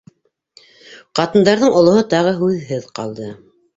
Ҡатындарҙың олоһо тағы һүҙһеҙ ҡалды.